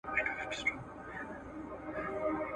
پرنګیانو د افغان غازیانو مقابله نه سوای کولای.